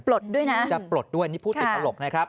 ด้วยนะจะปลดด้วยนี่ผู้ติดตลกนะครับ